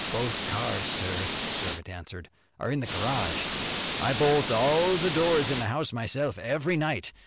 "Both cars, sir," the servant answered, "are in the garage. I bolt all the doors in the house myself every night.